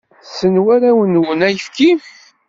Tessen warraw-nwen ayefki?